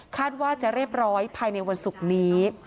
ว่าจะเรียบร้อยภายในวันศุกร์นี้